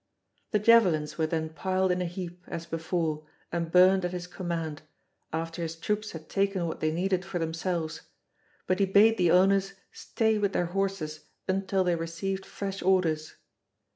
The javelins were then piled in a heap as before and burnt at his command, after his troops had taken what they needed for themselves, but he bade the owners stay with their horses until they received fresh orders.